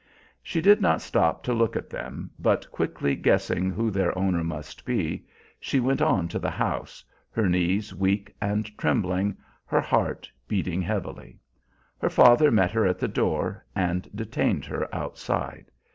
She did not stop to look at them, but, quickly guessing who their owner must be, she went on to the house, her knees weak and trembling, her heart beating heavily. Her father met her at the door and detained her outside.